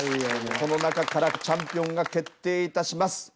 この中からチャンピオンが決定いたします。